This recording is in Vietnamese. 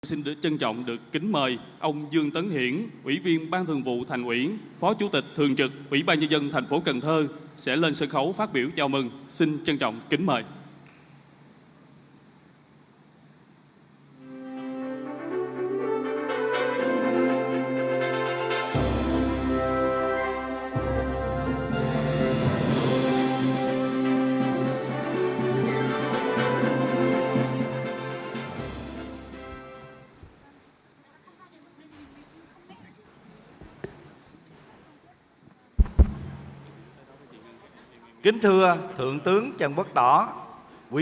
xin trân trọng được kính mời ông dương tấn hiển ủy viên ban thường vụ thành ủy phó chủ tịch thường trực ủy ban nhân dân thành phố cần thơ sẽ lên sân khấu phát biểu chào mừng xin trân trọng kính mời